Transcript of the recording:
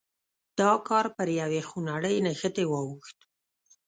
دا کار پر یوې خونړۍ نښتې واوښت.